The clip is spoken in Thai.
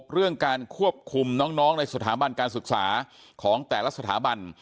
เรื่องการควบคุมน้องในสถาบันการศึกษาของแต่ละสถาบัน